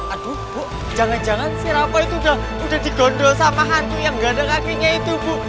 aduh bu jangan jangan si rapo itu udah digondol sama hantu yang ganda kakinya itu bu